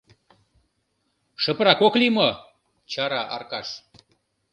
— Шыпрак ок лий мо? — чара Аркаш.